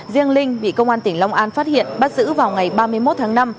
riêng linh bị công an tỉnh long an phát hiện bắt giữ vào ngày ba mươi một tháng năm